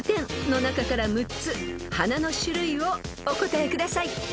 ＴＯＰ１０の中から６つ花の種類をお答えください］